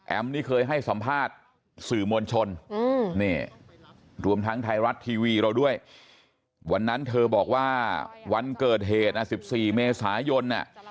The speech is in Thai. นี่เคยให้สัมภาษณ์สื่อมวลชนรวมทั้งไทยรัฐทีวีเราด้วยวันนั้นเธอบอกว่าวันเกิดเหตุ๑๔เมษายน